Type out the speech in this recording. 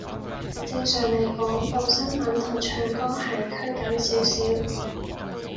正常嚟講，報新聞同唱歌係拘謹少少